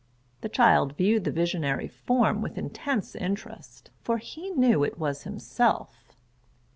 The child viewed the visionary form with intense interest, for he knew it was himself.